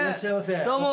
どうも。